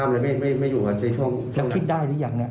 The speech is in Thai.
แล้วคิดได้หรือยังนะ